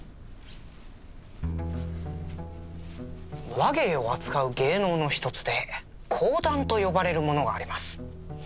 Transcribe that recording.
話芸を扱う芸能の一つで講談と呼ばれるものがあります。